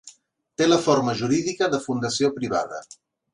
Té la forma jurídica de fundació privada.